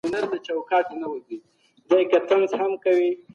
په سياستپوهنه کې د چارو د سمون لپاره علمي لارې چارې لوستل کېږي.